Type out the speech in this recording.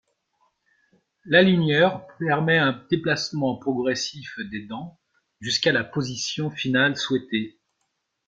L'aligneur permet un déplacement progressif des dents jusqu’à la position finale souhaitée.